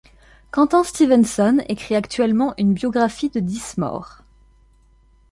Quentin Stevenson écrit actuellement une biographie de Dismorr.